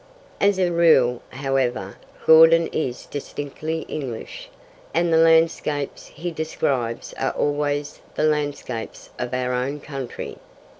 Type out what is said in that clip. As a rule, however, Gordon is distinctly English, and the landscapes he describes are always the landscapes of our own country.